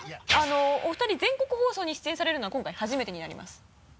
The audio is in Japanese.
お二人全国放送に出演されるのは今回初めてになります。